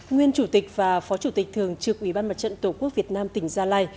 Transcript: nguyên chủ tịch và phó chủ tịch thường trực ủy ban mặt trận tổ quốc việt nam tỉnh gia lai